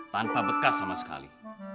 tanpa bekas sama sekali